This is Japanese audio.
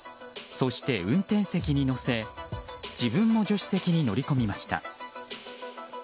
そして運転席に乗せ自分も助手席に乗り込みました。